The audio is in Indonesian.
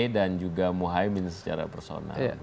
dan juga muhyemind secara personal